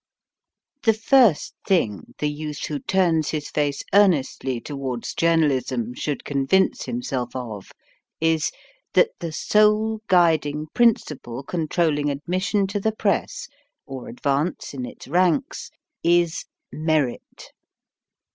The first thing the youth who turns his face earnestly towards journalism should convince himself of is, that the sole guiding principle controlling admission to the Press or advance in its ranks is merit.